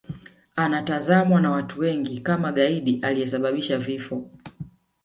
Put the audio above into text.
Anatazamwa na watu wengi kama gaidi aliyesababisha vifo